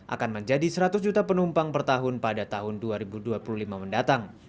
akan menjadi seratus juta penumpang per tahun pada tahun dua ribu dua puluh lima mendatang